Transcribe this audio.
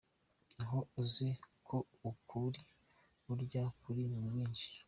Aho uzi ko ukuri burya kuri mu bwinshi